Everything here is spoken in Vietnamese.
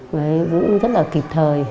với cũng rất là kịp thời